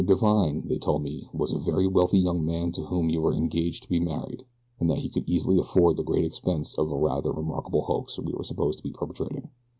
Divine, they told me, was a very wealthy young man, to whom you were engaged to be married, and that he could easily afford the great expense of the rather remarkable hoax we were supposed to be perpetrating.